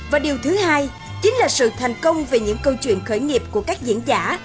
và điều thứ hai chính là sự thành công về những câu chuyện khởi nghiệp của các diễn giả